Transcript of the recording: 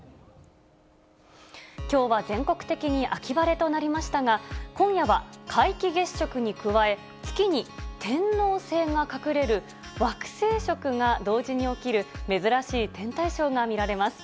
きょうは全国的に秋晴れとなりましたが、今夜は、皆既月食に加え、月に天王星が隠れる惑星食が同時に起きる、珍しい天体ショーが見られます。